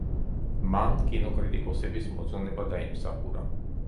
მან კინოკრიტიკოსების მოწონება დაიმსახურა.